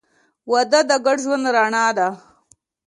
• واده د ګډ ژوند رڼا ده.